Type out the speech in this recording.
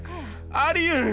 ありえん！